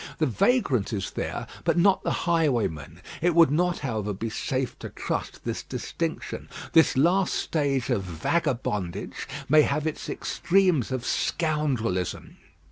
The vagrant is there; but not the highwayman. It would not, however, be safe to trust this distinction. This last stage of vagabondage may have its extremes of scoundrelism.